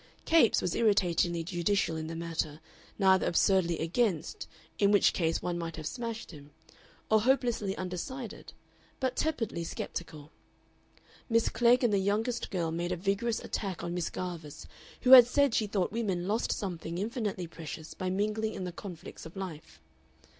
Capes was irritatingly judicial in the matter, neither absurdly against, in which case one might have smashed him, or hopelessly undecided, but tepidly sceptical. Miss Klegg and the youngest girl made a vigorous attack on Miss Garvice, who had said she thought women lost something infinitely precious by mingling in the conflicts of life.